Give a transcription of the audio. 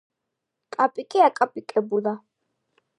კაპიკი აკაპიკებულა